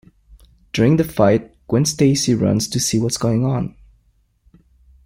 During the fight, Gwen Stacy runs to see what's going on.